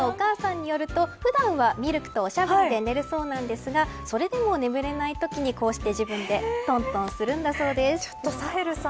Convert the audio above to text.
蘭愛ちゃんのお母さんによると普段はミルクとおしゃぶりで寝るそうなんですがそれでも寝られないというときにこうして自分でトントンするんだそうです。